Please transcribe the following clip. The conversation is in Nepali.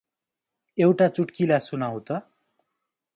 एउटा चुट्किला सुनाउ त ।